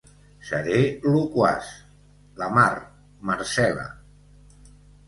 Seré loquaç: La mar, Marcel·la!